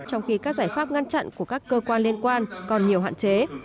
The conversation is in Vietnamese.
trong khi các giải pháp ngăn chặn của các cơ quan liên quan còn nhiều hạn chế